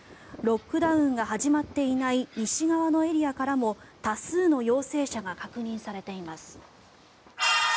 ロックダウンが始まっていない西側のエリアからも多数の陽性者が確認されています。